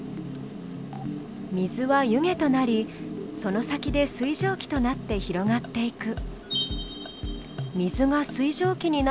水は湯気となりその先で水蒸気となって広がっていく。